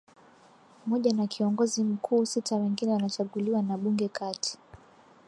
moja na Kiongozi Mkuu sita wengine wanachaguliwa na bunge kati